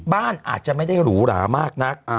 บ้านอาจจะไม่ได้หรูหรามากนัก